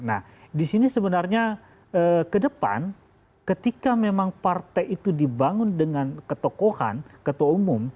nah disini sebenarnya ke depan ketika memang partai itu dibangun dengan ketokohan ketua umum